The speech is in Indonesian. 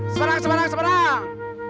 semarang semarang semarang